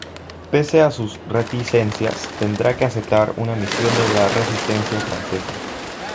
Pese a sus reticencias, tendrá que aceptar una misión de la resistencia francesa.